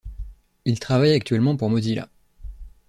Il travaille actuellement pour Mozilla.